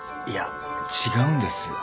いや違うんです。